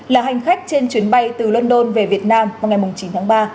là hành khách trên chuyến bay từ london về việt nam vào ngày chín tháng ba